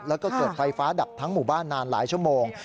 แล้วก็เกิดไฟฟ้าดับทั้งหมู่บ้านนานหลายชั่วโมง